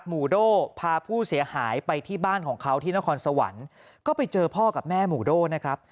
โด่พาผู้เสียหายไปที่บ้านของเขาที่นครสวรรค์ก็ไปเจอพ่อกับแม่หมู่โด่นะครับ